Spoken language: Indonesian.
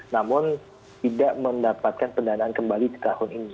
namun tidak mendapatkan pendanaan kembali di tahun ini